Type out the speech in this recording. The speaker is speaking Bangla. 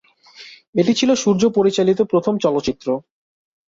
এটি ছিলো সূর্য পরিচালিত প্রথম চলচ্চিত্র।